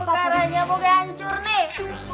kok emang apa karanya pokoknya hancur nih